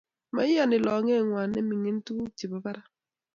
moiyoni loleng'wany nemining tukuk chebo barak